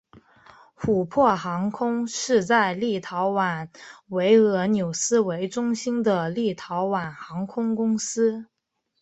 琥珀航空是在立陶宛维尔纽斯为中心的立陶宛航空公司。